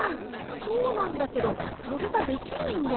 そうなんだけどそれができないんだよね。